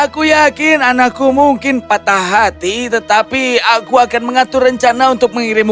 mungkin kau ingin mempertimbangkan kembali pertunanganmu dengan putrakku